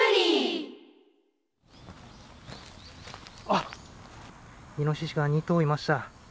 あっ、あっ、イノシシが２頭いました。